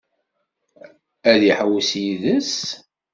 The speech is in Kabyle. Ad tḥewwes yid-s?